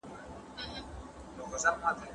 په غوټه سوه ور نیژدي د طوطي لورته